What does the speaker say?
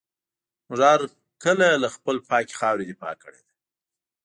موږ هر کله له خپلي پاکي خاوري دفاع کړې ده.